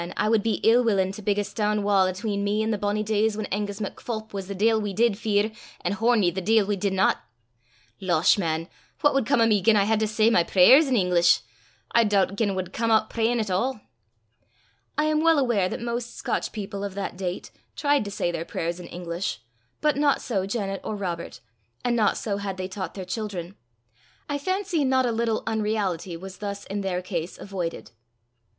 I wad be ill willin' to bigg a stane wa' atween me an' the bonnie days whan Angus MacPholp was the deil we did fear, an' Hornie the deil we didna. Losh, man! what wad come o' me gien I hed to say my prayers in English! I doobt gien 't wad come oot prayin' at a'!" I am well aware that most Scotch people of that date tried to say their prayers in English, but not so Janet or Robert, and not so had they taught their children. I fancy not a little unreality was thus in their case avoided.